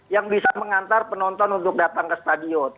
yang bisa mengantar penonton untuk datang ke stadion